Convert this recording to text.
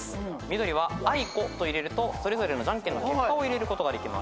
緑は「あいこ」と入れるとそれぞれのじゃんけんの結果を入れることができます。